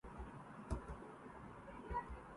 جینا ہر دور میں عورت کا خطا ہے لوگو